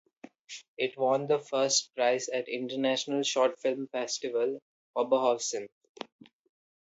It won the first prize at International Short Film Festival Oberhausen.